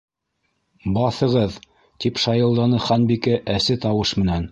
—Баҫығыҙ! —тип шайылданы Ханбикә әсе тауыш менән.